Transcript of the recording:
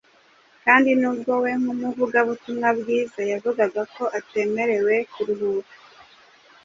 kandi nubwo we nk’umuvugabutumwa bwiza yavugaga ko “atemerewe kuruhuka”